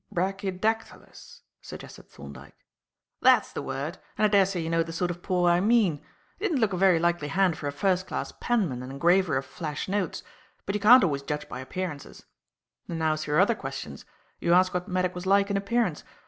"Brachydactylous." suggested Thorndyke. "That's the word; and I daresay you know the sort of paw I mean. It didn't look a very likely hand for a first class penman and engraver of flash notes, but you can't always judge by appearances. And now as to your other questions: You ask what Maddock was like in appearance.